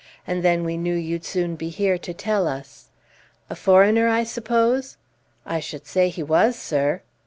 And then we knew you'd soon be here to tell us." "A foreigner, I suppose?" "I should say he was, sir."